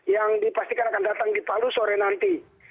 yang dipastikan akan datang di palu sore nanti